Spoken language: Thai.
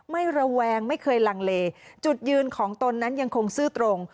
ระแวงไม่เคยลังเลจุดยืนของตนนั้นยังคงซื่อตรง